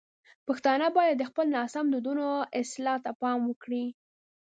پښتانه باید د خپلو ناسم دودونو اصلاح ته پام وکړي.